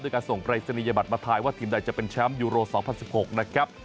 การส่งปรายศนียบัตรมาทายว่าทีมใดจะเป็นแชมป์ยูโร๒๐๑๖นะครับ